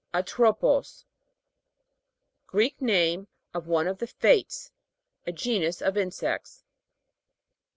A'TROPOS. Greek name of one of the Fates. A genus of insects.